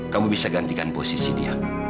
kamu bisa gantikan posisi dia